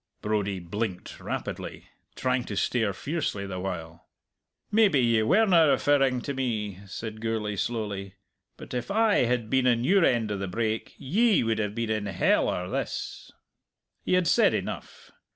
Brodie blinked rapidly, trying to stare fiercely the while. "Maybe ye werena referring to me," said Gourlay slowly. "But if I had been in your end o' the brake ye would have been in hell or this!" He had said enough.